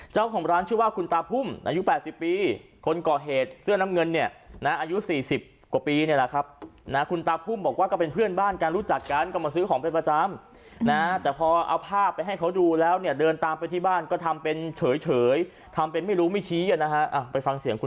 เจ้าของร้านชื่อว่าคุณตาพุ่มอายุ๘๐ปีคนก่อเหตุเสื้อน้ำเงินเนี่ยนะอายุ๔๐กว่าปีเนี่ยแหละครับนะคุณตาพุ่มบอกว่าก็เป็นเพื่อนบ้านกันรู้จักกันก็มาซื้อของเป็นประจำนะแต่พอเอาภาพไปให้เขาดูแล้วเนี่ยเดินตามไปที่บ้านก็ทำเป็นเฉยทำเป็นไม่รู้ไม่ชี้อ่ะนะฮะไปฟังเสียงคุณ